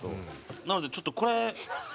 なのでちょっとこれ。